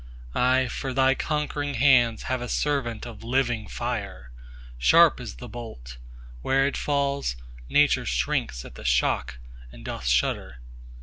Aye, for Thy conquering hands have a servant of living fire—Sharp is the bolt!—where it falls, Nature shrinks at the shock and doth shudder.